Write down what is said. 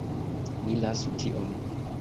Ni lasu tion.